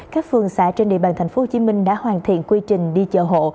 các phương xã trên địa bàn tp hcm đã hoàn thiện quy trình đi chợ hộ